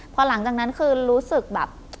พอหลังจากนั้นคือรู้สึกแบบ